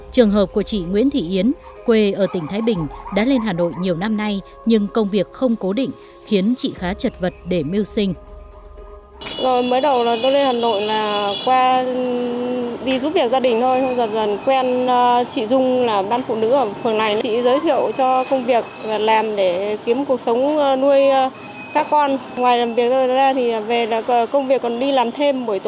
trường hợp của chị nguyễn thị yến quê ở tỉnh thái bình đã lên hà nội nhiều năm nay nhưng công việc không cố định khiến chị khá chật vật để mưu sinh